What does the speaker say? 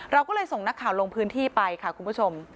เราก็เลยส่งนักข่าวลงพื้นที่ไปค่ะคุณผู้ชม